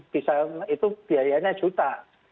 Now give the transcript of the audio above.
bisa itu biayanya juta